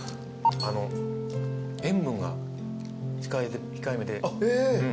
塩分が控えめで。